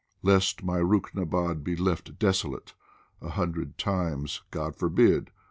Lest my Ruknabad be left desolate, A hundred times, " God forbid